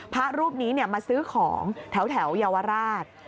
พระรูปนี้มาซื้อของแถวเยาวราช